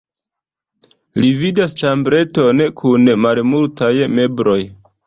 Li vidas ĉambreton kun malmultaj mebloj.